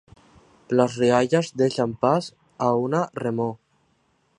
Les riallades deixen pas a una remor.